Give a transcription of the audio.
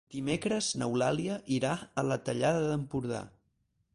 Dimecres n'Eulàlia irà a la Tallada d'Empordà.